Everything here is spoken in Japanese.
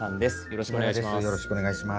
よろしくお願いします。